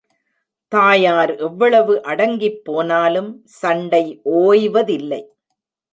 தாயார் எவ்வளவு அடங்கிப்போனலும் சண்டை ஓய்வதில்லை.